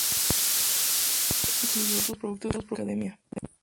El mismo equipo incluyó otros productos de la academia.